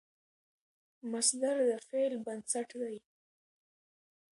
مصدر د فعل بنسټ دئ.